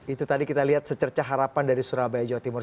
itu tadi kita lihat secerca harapan dari surabaya jawa timur